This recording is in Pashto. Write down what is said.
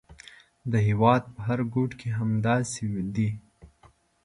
د هېواد په هر ګوټ کې همداسې دي.